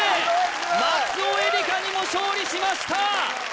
松尾依里佳にも勝利しました